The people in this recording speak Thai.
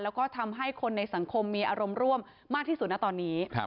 แล้วก็ทำให้คนในสังคมมีอารมณ์ร่วมมากที่สุดนะตอนนี้